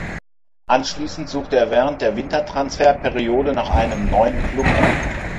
Anschließend suchte er während der Wintertransferperiode nach einem neuen Klub.